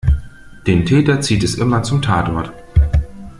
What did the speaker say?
Den Täter zieht es immer zum Tatort.